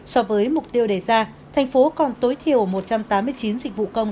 so với mục tiêu đề ra thành phố còn tối thiểu một trăm tám mươi chín dịch vụ công